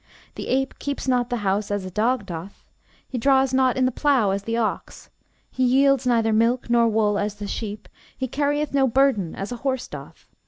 The ape keeps not the house as a dog doth, he draws not in the plough as the ox, he yields neither milk nor wool as the sheep, he carrieth no burden as a horse doth.